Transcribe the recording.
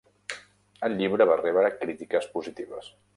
El llibre va rebre crítiques positives.